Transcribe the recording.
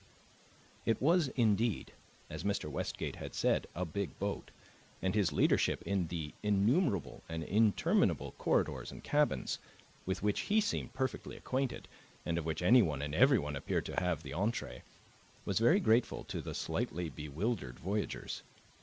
It was indeed, as Mr. Westgate had said, a big boat, and his leadership in the innumerable and interminable corridors and cabins, with which he seemed perfectly acquainted, and of which anyone and everyone appeared to have the entree, was very grateful to the slightly bewildered voyagers.